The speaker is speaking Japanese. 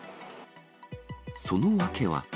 その訳は。